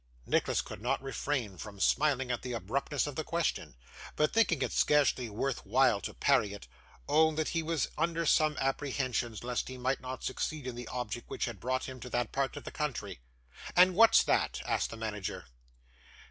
Nicholas could not refrain from smiling at the abruptness of the question; but, thinking it scarcely worth while to parry it, owned that he was under some apprehensions lest he might not succeed in the object which had brought him to that part of the country. 'And what's that?' asked the manager.